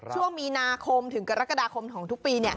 ช่วงมีนาคมถึงกรกฎาคมของทุกปี